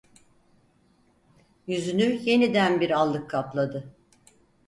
Yüzünü, yeniden bir allık kapladı.